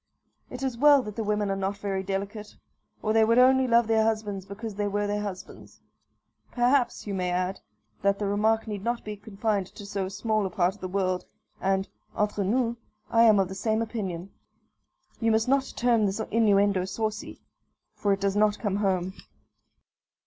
It is well that the women are not very delicate, or they would only love their husbands because they were their husbands. Perhaps, you may add, that the remark need not be confined to so small a part of the world; and, entre nous, I am of the same opinion. You must not term this innuendo saucy, for it does not come home.